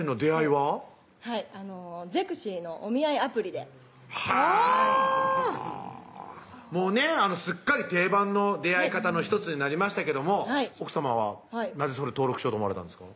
はいゼクシィのお見合いアプリではぁもうねすっかり定番の出会い方の１つになりましたけども奥さまはなぜそれ登録しようと思われたんですか？